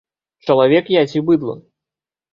Чалавек я ці быдла?